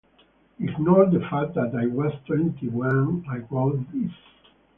Ignore the fact that I was twenty when I wrote this.